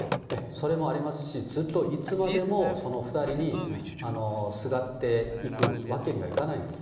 それもありますし、ずっといつまでもその２人にすがっていくわけにはいかないんですよ。